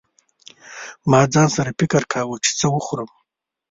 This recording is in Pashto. ما ځان سره فکر کاوه چې څه وخورم.